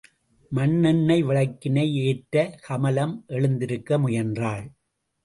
மண்ணெண்ணெய் விளக்கினை ஏற்ற கமலம் எழுந்திருக்க முயன்றாள்.